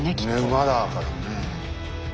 馬だからね。